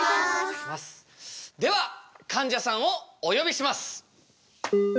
ではかんじゃさんをお呼びします！